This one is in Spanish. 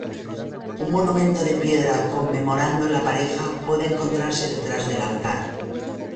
Un monumento de piedra conmemorando la pareja puede encontrarse detrás del altar.